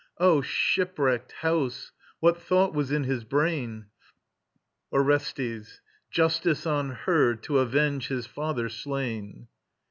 O shipwrecked house! What thought was in his brain? ORESTES. Justice on her, to avenge his father slain.